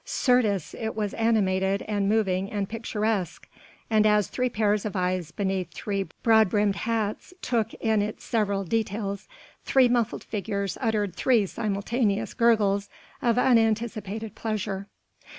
Certes it was animated and moving and picturesque; and as three pairs of eyes beneath three broad brimmed hats took in its several details, three muffled figures uttered three simultaneous gurgles of anticipated pleasure.